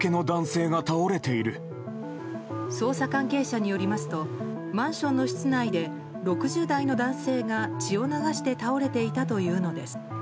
捜査関係者によりますとマンションの室内で６０代の男性が血を流して倒れていたというのです。